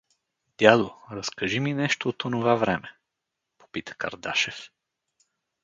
— Дядо, разкажи ми нещо от онова време? — попита Кардашев.